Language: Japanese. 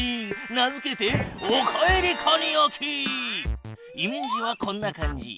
名付けてイメージはこんな感じ。